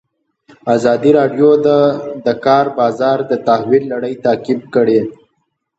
ازادي راډیو د د کار بازار د تحول لړۍ تعقیب کړې.